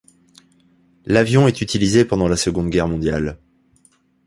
L'avion est utilisé pendant la Seconde Guerre mondiale.